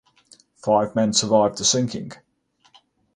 Five men survived the sinking.